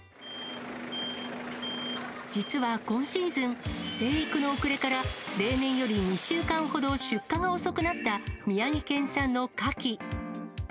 実は今シーズン、生育の遅れから、例年より２週間ほど出荷が遅くなった宮城県産のカキ。